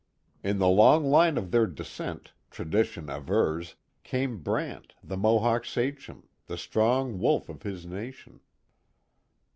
In the long line of their descent, tradition avers, came Brant, the Mohawk sachem, the strong Wolf of his nation.